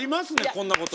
こんなこと。